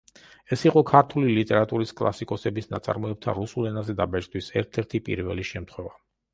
ეს იყო ქართული ლიტერატურის კლასიკოსების ნაწარმოებთა რუსულ ენაზე დაბეჭდვის ერთ–ერთი პირველი შემთხვევა.